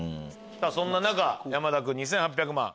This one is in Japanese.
そんな中山田君２８００万。